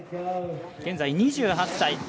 現在２８歳。